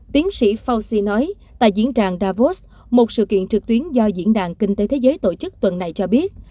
tiến sĩ fauci nói tại diễn đàn davos một sự kiện trực tuyến do diễn đàn kinh tế thế giới tổ chức tuần này cho biết